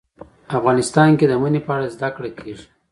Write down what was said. افغانستان کې د منی په اړه زده کړه کېږي.